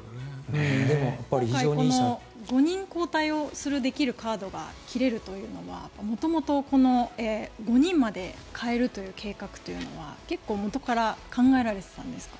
今回５人交代するカードが切れるというのは元々、５人まで代えるという計画というのは結構、元から考えられていたんですか？